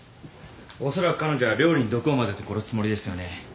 おそらく彼女は料理に毒を混ぜて殺すつもりですよね。